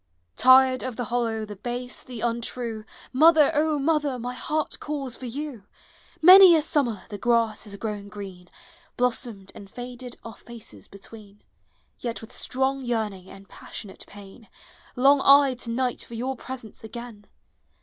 Tired of the hollow, the base, the untrue, Mother, O mother, my heart calls for you! Many a summer the grass has grown green, Klossomed, and faded our faces between, Vet with strong yearning and passionate pain Long 1 to night for your presence again.